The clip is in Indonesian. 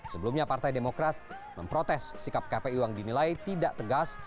sebelumnya partai demokrat memprotes sikap kpu yang dinilai tidak tegas